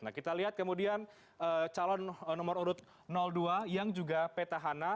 nah kita lihat kemudian calon nomor urut dua yang juga petahana